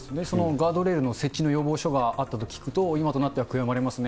ガードレールの設置の要望書があったと聞くと、今となっては悔やまれますね。